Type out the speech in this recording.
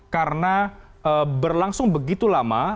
karena berlangsung begitu lama